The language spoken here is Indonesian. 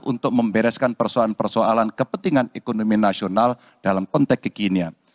untuk membereskan persoalan persoalan kepentingan ekonomi nasional dalam konteks kekinian